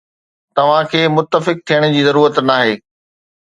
توهان کي متفق ٿيڻ جي ضرورت ناهي.